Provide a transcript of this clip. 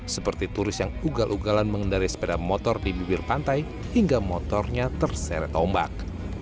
seperti turis yang ugal ugalan mengendari sepeda motor di bibir pantai hingga motornya terseret ombak